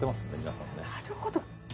なるほど。